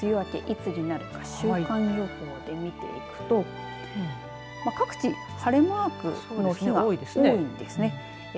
では、その梅雨明けいつになるか週間予報で見ていくと各地、晴れマークの日は多いですね。